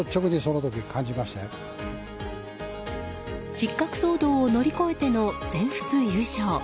失格騒動を乗り越えての全仏優勝。